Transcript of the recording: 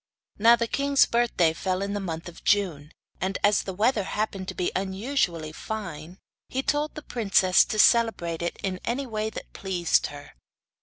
Now, the king's birthday fell in the month of June, and as the weather happened to be unusually fine, he told the princess to celebrate it in any way that pleased her.